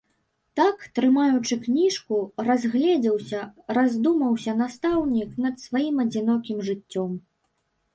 Так, трымаючы кніжку, разгледзеўся, раздумаўся настаўнік над сваім адзінокім жыццём.